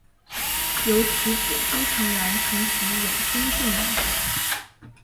由其子朱诚澜承袭永兴郡王。